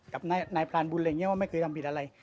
กับนายพรานบุญอะไรอย่างนี้ว่าไม่เคยทำผิดอะไร